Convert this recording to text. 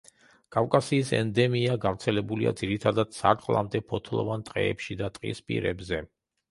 კავკასიის ენდემია, გავრცელებულია ძირითადად სარტყლამდე ფოთლოვან ტყეებში და ტყისპირებზე.